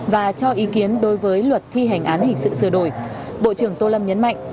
và cho ý kiến đối với luật thi hành án hình sự sửa đổi bộ trưởng tô lâm nhấn mạnh